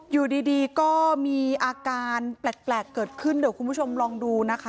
อยู่ดีก็มีอาการแปลกเกิดขึ้นเดี๋ยวคุณผู้ชมลองดูนะคะ